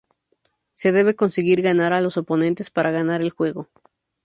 Se debe conseguir ganar a los oponentes para ganar el juego.